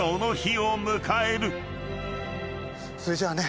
それじゃあね